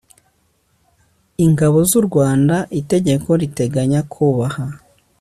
ingabo z u rwanda itegeko riteganya kubaha